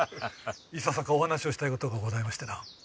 いささかお話をしたい事がございましてな。